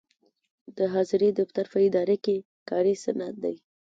د حاضرۍ دفتر په اداره کې کاري سند دی.